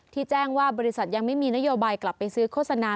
แจ้งว่าบริษัทยังไม่มีนโยบายกลับไปซื้อโฆษณา